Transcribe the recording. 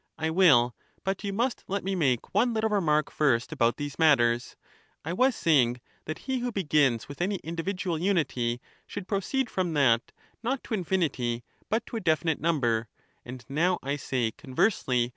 I will; but you must let me make one little remark if a man first about these matters ; I was saying, that he who begins ^j^'? ^^^^ with any individual unity, should proceed from that, not to finity, he infinity, but to a definite number, and now I say conversely, f^^uid not 1 1.1 1 ..,.«.